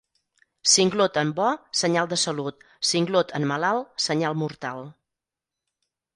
Singlot en bo, senyal de salut; singlot en malalt, senyal mortal.